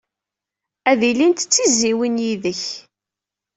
Ad ilint d tizzyiwin yid-k.